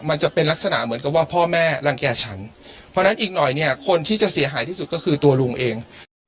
มันจะเป็นลักษณะเหมือนกับว่าพ่อแม่รังแก่ฉันเพราะฉะนั้นอีกหน่อยเนี่ยคนที่จะเสียหายที่สุดก็คือตัวลุงเอง